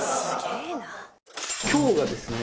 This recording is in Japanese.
今日がですね